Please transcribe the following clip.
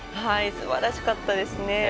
すばらしかったですね。